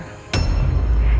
jadi mereka udah tahu